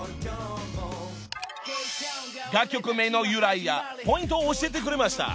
［楽曲名の由来やポイントを教えてくれました］